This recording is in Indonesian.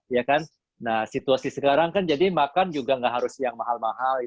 jadi sekarang makan juga tidak harus yang mahal mahal